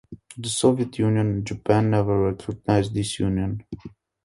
The Soviet Union and Japan never recognized this Union.